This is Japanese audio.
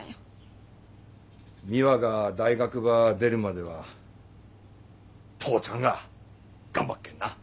美和が大学ば出るまでは父ちゃんが頑張っけんな。